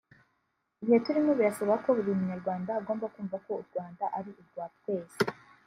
Ibihe turimo birasaba ko buri munyarwanda agomba kumva ko u Rwanda ari urwa twese